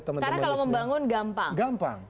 teman teman karena kalau membangun gampang